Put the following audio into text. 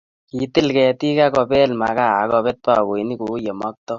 Kitil ketik akobelit makaa akobet bakoinik kuyemoktoi